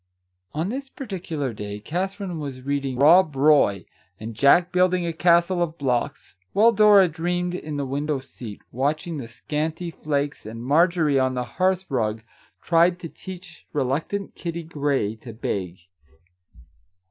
On this particular day Katherine was reading " Rob Roy," and Jack building a castle of blocks, while Dora dreamed in the win dow seat, watching the scanty flakes, and Marjorie, on the hearth rug, tried to teach reluctant Kitty Grey to beg.